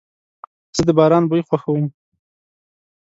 زه د باران بوی خوښوم.